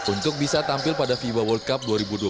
untuk bisa tampil pada fiba world cup dua ribu dua puluh tiga